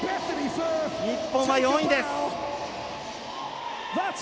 日本は４位です。